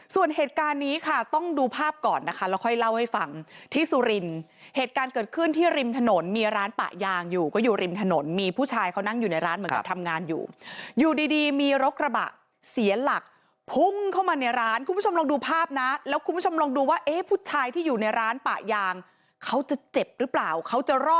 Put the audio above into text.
ส่วนเหตุการณ์นี้ค่ะต้องดูภาพก่อนนะคะแล้วค่อยเล่าให้ฟังที่สุรินทร์เหตุการณ์เกิดขึ้นที่ริมถนนมีร้านปะยางอยู่ก็อยู่ริมถนนมีผู้ชายเขานั่งอยู่ในร้านเหมือนกับทำงานอยู่อยู่ดีดีมีรถกระบะเสียหลักพุ่งเข้ามาในร้านคุณผู้ชมลองดูภาพนะแล้วคุณผู้ชมลองดูว่าเอ๊ะผู้ชายที่อยู่ในร้านปะยางเขาจะเจ็บหรือเปล่าเขาจะรอ